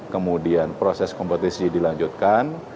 kemudian proses kompetisi dilanjutkan